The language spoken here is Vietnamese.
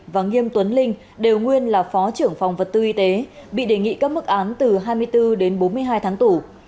và nghiêm tuấn linh đều nguyên là phó trưởng phòng vật tư y tế bị đề nghị các mức án từ hai mươi bốn đến bốn mươi hai tháng tù